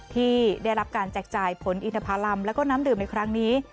ที่ได้รับการแจกจ่ายผลอินทภารำแล้วก็น้ำดื่มในครั้งนี้